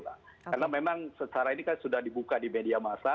karena memang secara ini kan sudah dibuka di media masa